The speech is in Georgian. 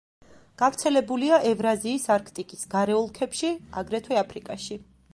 გავრცელებულია ევრაზიის არქტიკის გარე ოლქებში, აგრეთვე აფრიკაში.